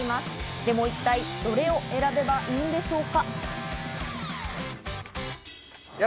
でも一体どれを選べばいいんでしょうか？